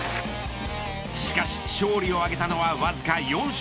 しかし、勝利を挙げたのはわずか４勝。